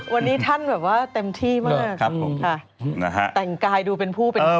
วันนี้ท่านแบบว่าเต็มที่มากนะครับผมแต่งกายดูเป็นผู้เป็นคน